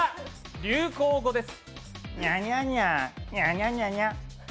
流行語です。